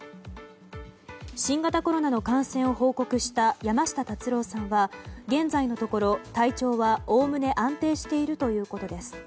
新型コロナの感染を報告した山下達郎さんは現在のところ、体調はおおむね安定しているということです。